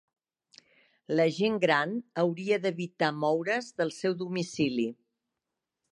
La gent gran hauria d'evitar moure's del seu domicili